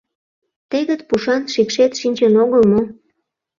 Тегыт пушан шикшет шинчын огыл мо?